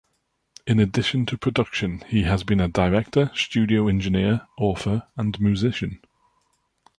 In addition to production, he has been a director, studio engineer, author and musician.